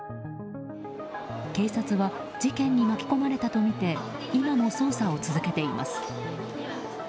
警察は事件に巻き込まれたとみて今も捜査を続けています。